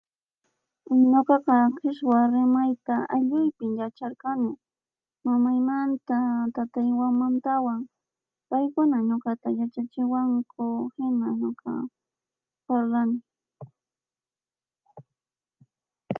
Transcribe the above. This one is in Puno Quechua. Ñuqaqa qichwa rimayta allinta yacharqani mamaymanta tataymantawan, paykuna ñuqataqa yachachiwanku, hina ñuqa parlani.